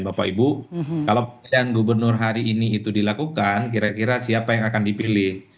bapak ibu kalau pemilihan gubernur hari ini itu dilakukan kira kira siapa yang akan dipilih